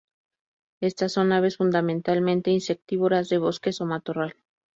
Éstas son aves fundamentalmente insectívoras de bosque o matorral.